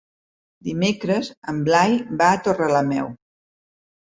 Dimecres en Blai va a Torrelameu.